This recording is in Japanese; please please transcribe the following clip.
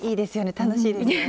楽しいですよね。